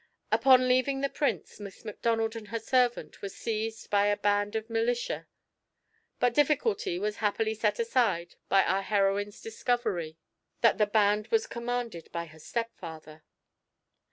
Upon leaving the Prince, Miss Macdonald and her servant were seized by a band of militia; but difficulty was happily set aside by our heroine's discovery that the band was commanded by her stepfather.